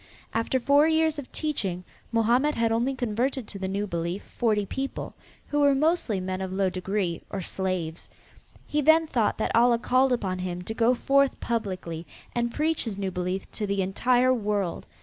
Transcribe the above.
After four years of teaching Mohammed had only converted to the new belief forty people, who were mostly men of low degree or slaves. He then thought that Allah called upon him to go forth publicly and preach his new belief to the entire world.